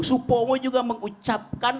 supomo juga mengucapkan